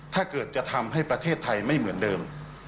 ถ้าเกิดจะทำให้ประเทศไทยไม่เหมือนเดิม